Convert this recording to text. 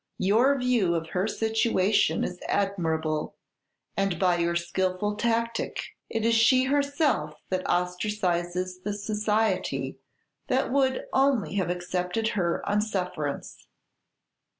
Your view of her situation is admirable, and, by your skilful tactique, it is she herself that ostracizes the society that would only have accepted her on sufferance.